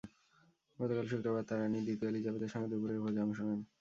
গতকাল শুক্রবার তাঁর রানি দ্বিতীয় এলিজাবেথের সঙ্গে দুপুরের ভোজে অংশ নেন।